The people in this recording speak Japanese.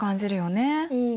うん。